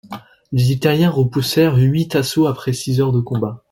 Les Italiens repoussèrent huit assauts après six heures de combat.